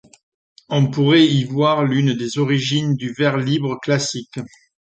On pourrait y voir l'une des origines du vers libre classique.